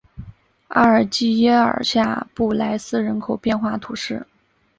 阿尔济耶尔下布来斯人口变化图示